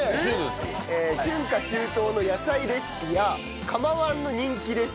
春夏秋冬の野菜レシピや釜−１の人気レシピ